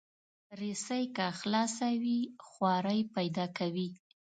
رسۍ که خلاصه وي، خواری پیدا کوي.